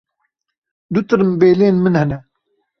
Du tirimbêlên min hene.